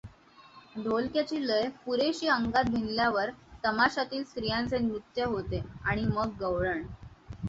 ढोलक्याची लय पुरेशी अंगात भिनल्यावर तमाशातील स्त्रियांचे नृत्य होते आणि मग गौळण.